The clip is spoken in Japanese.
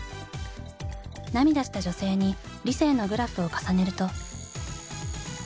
涙した女性に理性のグラフを重ねると。